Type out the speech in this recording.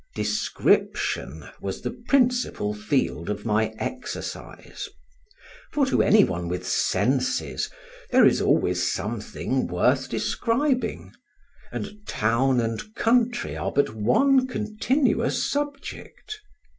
Description was the principal field of my exercise; for to any one with senses there is always something worth describing, and town and country are but one continuous subject.